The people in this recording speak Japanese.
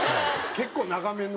結構長めの。